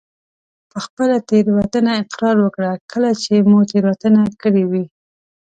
په خپله تېروتنه اقرار وکړه کله چې مو تېروتنه کړي وي.